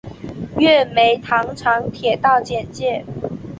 月眉糖厂铁道简介